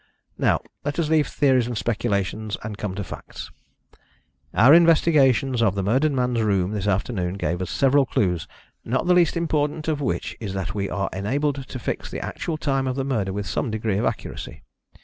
"Now let us leave theories and speculations and come to facts. Our investigations of the murdered man's room this afternoon gave us several clues, not the least important of which is that we are enabled to fix the actual time of the murder with some degree of accuracy.